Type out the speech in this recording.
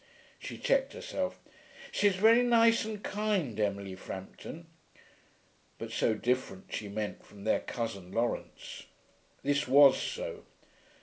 She checked herself. 'She's very nice and kind, Emily Frampton.' But so different, she meant, from their cousin Laurence. This was so.